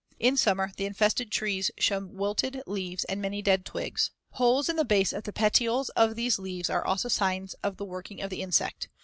In summer, the infested trees show wilted leaves and many dead twigs. Holes in the base of the petioles of these leaves are also signs of the working of the insect.